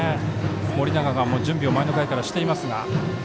盛永が準備を前の回からしています。